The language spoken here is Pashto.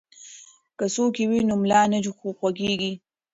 که څوکۍ وي نو ملا نه خوږیږي.